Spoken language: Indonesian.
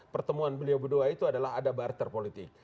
pertemuan beliau berdua itu adalah ada barter politik